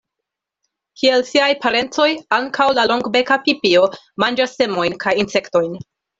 Kiel siaj parencoj, ankaŭ la Longbeka pipio manĝas semojn kaj insektojn.